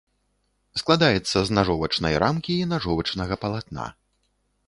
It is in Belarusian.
Складаецца з нажовачнай рамкі і нажовачнага палатна.